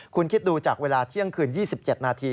คุณคิดดูจากเวลาเที่ยงคืน๒๗นาที